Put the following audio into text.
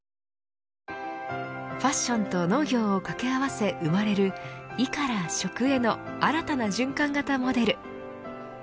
ファッションと農業を掛け合わせ生まれる衣から食への新たな循環型モデル。